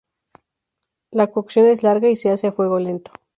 La cocción es larga y se hace a fuego lento.